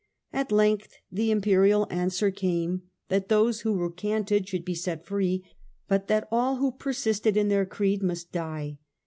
At length the imperial answer came, that those who recanted should be set free, but that all who persisted in their creed must die.